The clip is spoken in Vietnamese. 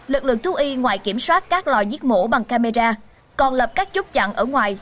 lực lượng thu y ngoài kiểm soát các lò giết mổ bằng camera còn lập các chốt chặn ở ngoài